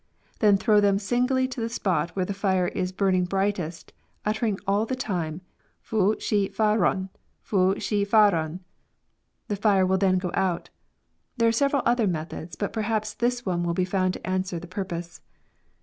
Then throw them singly to the spot where the fire is burning brightest, uttering all the time * fooshefahrun, fooshefahrun.' The fire will then go out." There are several other methods, but perhaps this one will be found to answer the purpose.